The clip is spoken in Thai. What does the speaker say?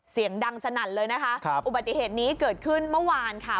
เสียงดังสนั่นเลยนะคะครับอุบัติเหตุนี้เกิดขึ้นเมื่อวานค่ะ